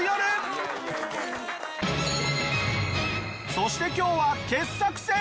そして今日は傑作選。